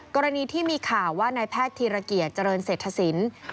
กรณีที่มีข่าวว่านายแพทย์ธีรเกียจเจริญเศรษฐศิลป์